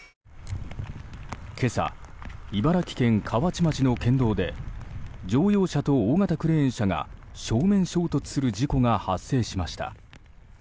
今朝、茨城県河内町の県道で乗用車と大型クレーン車が正面衝突する事故が発生しました。